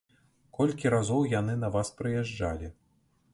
Колькі разоў яны на вас прыязджалі?